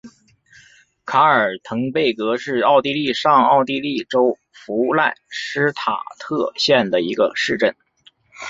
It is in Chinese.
卡尔滕贝格是奥地利上奥地利州弗赖施塔特县的一个市镇。